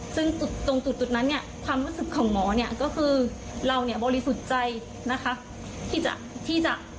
ซึ่งตรงตุดนั้นความรู้สึกของหมอก็คือเราบริสุทธิ์ใจ